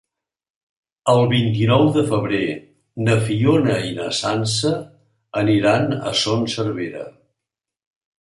El vint-i-nou de febrer na Fiona i na Sança aniran a Son Servera.